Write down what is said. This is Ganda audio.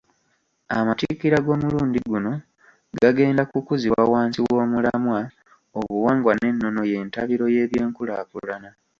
Amatikkira g'omulundi guno gagenda ku kuzibwa wansi w'omulamwa ,obuwangwa n'ennono y'entabiro y'ebyenkulaakulana.